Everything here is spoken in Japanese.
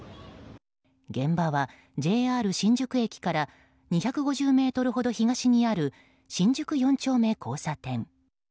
現場はＪＲ新宿駅から２５０ｍほど東にある新宿４丁目交差点。